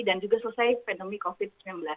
dan juga selesai pandemi covid sembilan belas